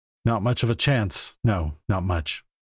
Not much of a chance? No not much!